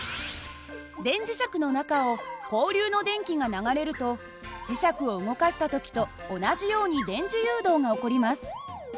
電磁石の中を交流の電気が流れると磁石を動かした時と同じように電磁誘導が起こります。